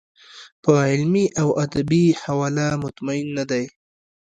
په علمي او ادبي حواله مطمین نه دی.